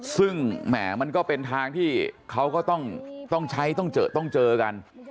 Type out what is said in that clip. ซึ่งแหมมันก็เป็นทางที่เขาก็ต้องใช้ต้องเจอต้องเจอกัน